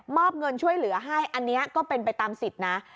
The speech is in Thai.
อบเงินช่วยเหลือให้อันนี้ก็เป็นไปตามสิทธิ์นะ